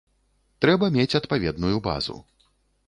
Трэба мець адпаведную базу.